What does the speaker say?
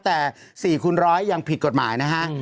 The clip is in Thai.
แต่๔คูณร้อยยังผิดกฎหมายนะฮะ